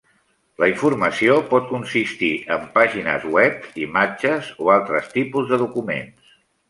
La informació pot consistir en pàgines web, imatges o altres tipus de documents.